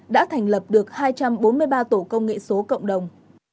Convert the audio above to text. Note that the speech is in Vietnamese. đã thành lập được hai trăm bốn mươi ba tổ công nghệ số cộng đồng